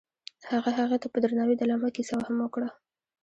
هغه هغې ته په درناوي د لمحه کیسه هم وکړه.